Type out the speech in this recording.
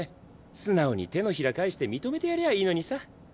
素直に手のひら返して認めてやりゃいいのにさ。